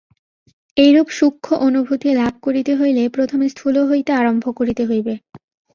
এইরূপ সূক্ষ্ম অনুভূতি লাভ করিতে হইলে প্রথমে স্থূল হইতে আরম্ভ করিতে হইবে।